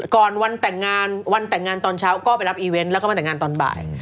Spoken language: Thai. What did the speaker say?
ก่อนวันแต่งงานวันแต่งงานตอนเช้าก็ไปรับอีเวนต์แล้วก็มาแต่งงานตอนบ่าย